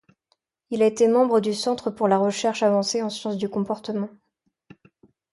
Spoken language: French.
Il a été membre du Centre pour la recherche avancée en sciences du comportement.